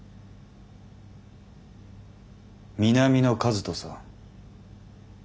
南野一翔さん